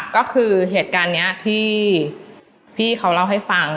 ก็คือเหตุการณ์นี้ที่พี่เขาเล่าให้ฟัง